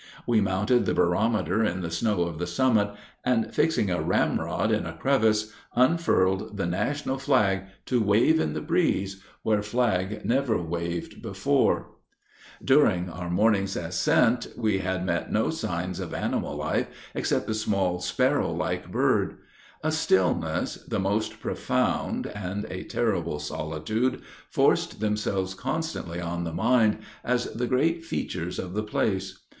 We mounted the barometer in the snow of the summit, and, fixing a ramrod in a crevice, unfurled the national flag to wave in the breeze, where flag never waved before. [Illustration: OUR FLAG ON THE ROCKY MOUNTAINS.] During our morning's ascent, we had met no sign of animal life, except a small sparrow like bird. A stillness the most profound, and a terrible solitude, forced themselves constantly on the mind as the great features of the place.